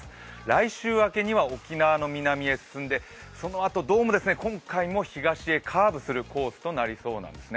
来週明けには沖縄の南に進んでそのあとどうも今回も東へカーブするコースとなりそうなんです。